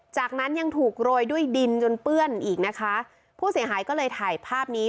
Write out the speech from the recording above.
จากนั้นยังถูกโรยด้วยดินจนเปื้อนอีกนะคะผู้เสียหายก็เลยถ่ายภาพนี้